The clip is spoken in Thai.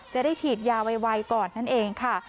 จะได้ฉีดยาไวก่อนนั่นเองค่ะ